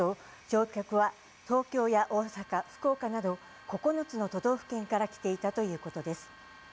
乗客は東京や大阪、福岡など９つの都道府県から来ていたということです。